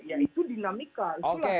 ya itu dinamika